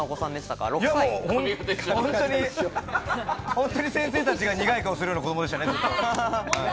本当に、先生たちが苦い顔をするような子どもでしたね。